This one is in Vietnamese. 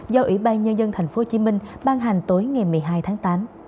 do ủy ban nhân dân tp hcm ban hành tối ngày một mươi hai tháng tám